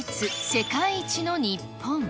世界一の日本。